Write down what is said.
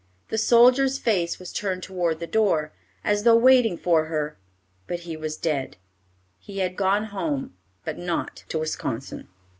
The soldier's face was turned toward the door, as though waiting for her, but he was dead. He had gone home, but not to Wisconsin.